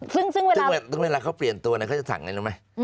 ซึ่งเวลาเขาเปลี่ยนตัวเขาจะสั่งไงรู้ไหม